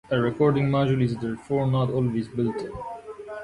A recording module is therefore not always built-in.